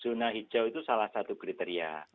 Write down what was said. jadi zona hijau itu salah satu kriteria